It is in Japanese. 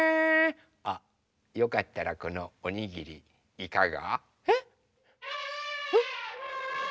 あよかったらこのおにぎりいかが？えっ⁉ん？